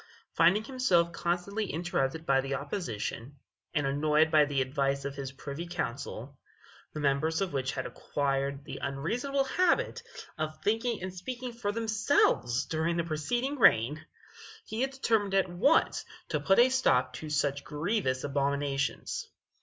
Finding himself constantly interrupted by the opposition, and annoyed by the advice of his privy council, the members of which had acquired the unreasonable habit of thinking and speaking for themselves during the preceding reign, he determined at once to put a stop to such grievous abominations.